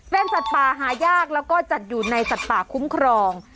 เป็นสัตว์ป่าหายากแล้วก็จัดอยู่ในสัตว์ป่าคุ้มครอง